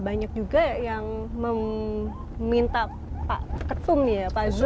banyak juga yang meminta pak ketum nih ya pak zul